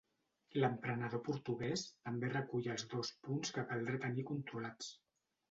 L'emprenedor portuguès també recull els dos punts que caldrà tenir controlats.